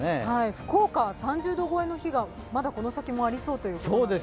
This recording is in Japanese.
福岡は３０度超えの日が、まだこの先もありそうということで。